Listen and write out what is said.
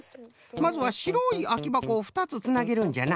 まずはしろいあきばこを２つつなげるんじゃな。